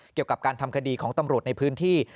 เกี่ยวกับการทำคดีของตำรวจในพื้นที่